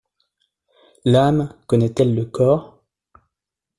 L’âme connaît-elle le corps ?